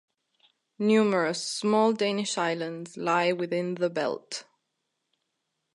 Numerous small Danish islands lie within the belt.